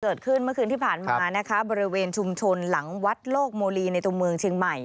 เกิดขึ้นเมื่อคืนที่ผ่านมานะคะบริเวณชุมชนหลังวัดโลกโมลีในตัวเมืองเชียงใหม่